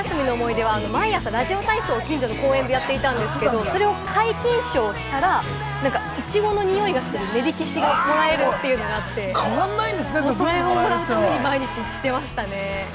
毎朝ラジオ体操を近所の公園でやっていたんですけれども、それを皆勤賞をしたら、イチゴのにおいがする、ねりけしがもらえるというのがあって、それをもらうために毎日行ってましたね。